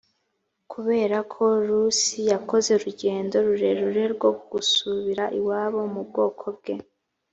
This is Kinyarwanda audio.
kubera ko rusi yakoze urugendo rurerure rwo gusubira iwabo mu bwoko bwe